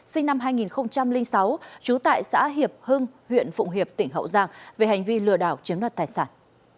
sinh năm hai nghìn sáu trú tại xã hiệp hưng huyện phụng hiệp tỉnh hậu giang về hành vi lừa đảo chiếm đoạt tài sản